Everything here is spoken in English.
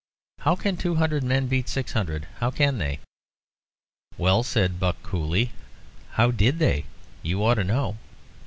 How can two hundred men beat six hundred? How can they?" "Well," said Buck, coolly, "how did they? You ought to know."